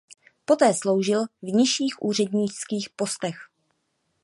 Poté sloužil v nižších úřednických postech.